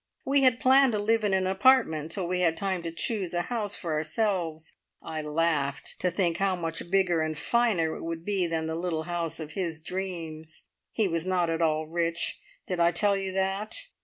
We had planned to live in an apartment until we had time to choose a house for ourselves. I laughed to think how much bigger and finer it would be than the little house of his dreams. He was not at all rich did I tell you that?